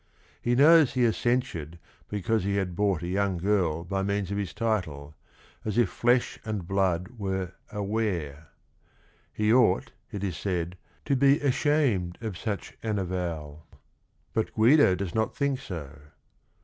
He knows he is censured because he had bought a young girl by means of his title, as if flesh and blood were a ware. He ought, it is said, to be ashamed of such an avowal. But Guido does not think so.